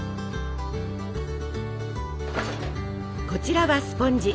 こちらはスポンジ。